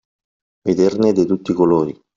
Vederne de tutti i colori.